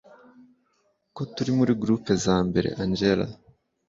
ko turi muri group zambere angella